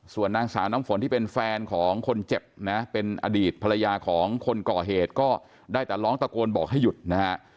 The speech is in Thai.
ส่วนนางสาวน้ำฝนที่เป็นแฟนของคนเจ็บนะเป็นอดีตภรรยาของคนก่อเหตุก็ได้แต่ร้องตะโกนบอกให้หยุดนะฮะ